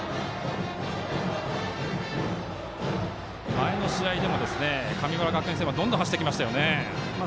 前の試合でも神村学園戦はどんどん走ってきました。